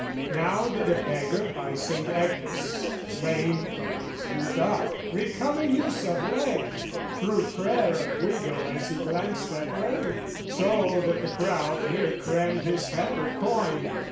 "Now did a beggar by Saint Agnes, lame "From his youth up, recover use of leg, "Through prayer of Guido as he glanced that way: "So that the crowd near crammed his hat with coin.